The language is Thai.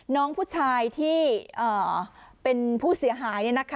น้องผู้ชายที่เป็นผู้เสียหาย